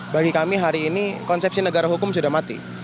bagi kami hari ini konsepsi negara hukum sudah mati